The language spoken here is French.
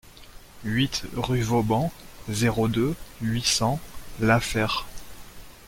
huit rue Vauban, zéro deux, huit cents, La Fère